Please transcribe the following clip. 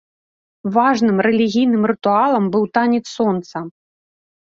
Важным рэлігійным рытуалам быў танец сонца.